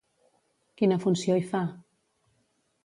Quina funció hi fa?